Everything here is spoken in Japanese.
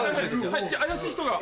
怪しい人が。